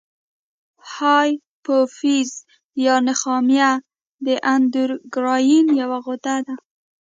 هایپوفیز یا نخامیه د اندوکراین یوه غده ده.